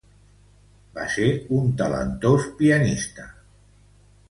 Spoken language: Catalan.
Va ser un talentós pianista.